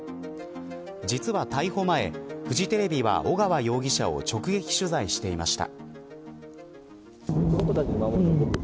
実は逮捕前、フジテレビは尾川容疑者を直撃取材していました。